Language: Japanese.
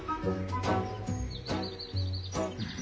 うん。